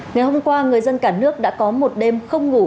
ngày hôm qua người dân cả nước đã có một đêm không ngủ